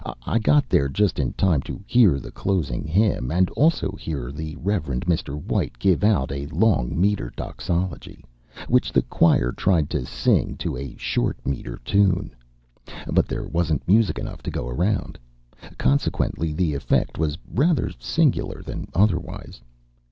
I got there just in time to hear the closing hymn, and also to hear the Rev. Mr. White give out a long metre doxology, which the choir tried to sing to a short metre tune. But there wasn't music enough to go around: consequently, the effect was rather singular, than otherwise.